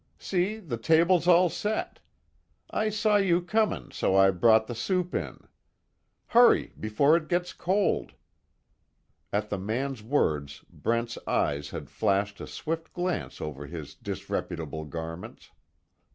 See, the table's all set. I saw you coming so I brought the soup in. Hurry before it gets cold." At the man's words Brent's eyes had flashed a swift glance over his disreputable garments.